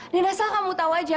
dan asal kamu tau aja